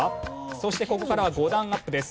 そしてここからは５段アップです。